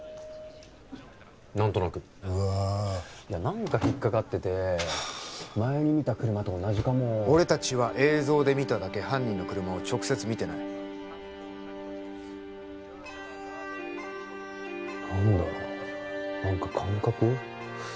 何となくうわいや何か引っ掛かってて前に見た車と同じかも俺達は映像で見ただけ犯人の車を直接見てない何だろう何か感覚？